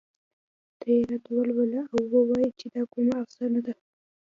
ته یې راته ولوله او ووايه چې دا کومه افسانه ده